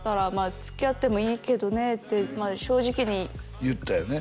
「つきあってもいいけどね」って正直に言ったよね？